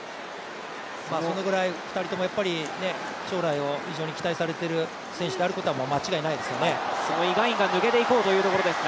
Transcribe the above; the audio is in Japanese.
そのぐらい２人とも将来を非常に期待されている選手であることは間違いないですよね。